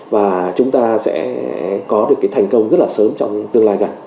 và chúng ta sẽ có được cái thành công rất là sớm trong tương lai gần